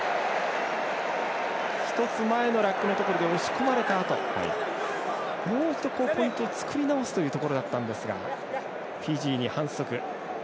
１つ前のラックのところで押し込まれたあともう一度、ポイントを作り直すというところだったんですがフィジーに反則。